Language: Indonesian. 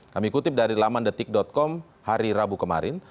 kami kutip dari laman detik com hari rabu kemarin